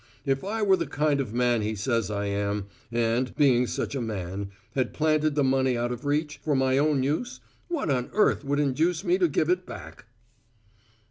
If I were the kind of man he says I am, and, being such a man, had planted the money out of reach, for my own use, what on earth would induce me to give it back?"